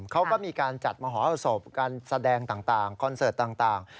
เขาก็มีการจัดมหศพการแสดงต่างคอนเสิร์ตต่าง